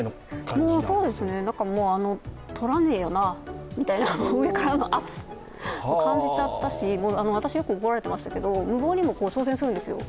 取らなねぇよな、みたいな上からの圧を感じちゃったし私、よく怒られていましたけど、無謀にも挑戦するんですよ。